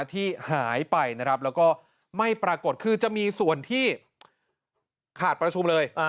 ที่หายไปนะครับแล้วก็ไม่ปรากฏคือจะมีส่วนที่ขาดประชุมเลย